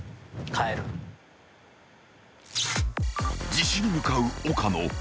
［自首に向かう岡野］